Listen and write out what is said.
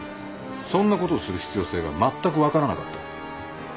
そんなことをする必要性が全く分からなかった。